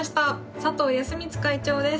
佐藤康光会長です。